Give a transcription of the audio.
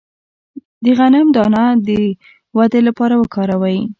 د غنم دانه د ودې لپاره وکاروئ